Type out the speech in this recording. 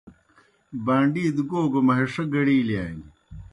بان٘ڈی دہ گو گہ مہݜہ گڑِیلِیانیْ۔